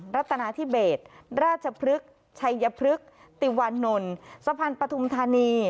รัฐนาธิเบสราชพลึกไชยพลึกติวันนนต์สะพันปธุมธานี